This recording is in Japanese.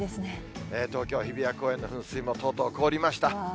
東京・日比谷公園の噴水もとうとう凍りました。